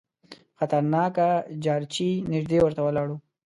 خطرناک جارچي نیژدې ورته ولاړ وو.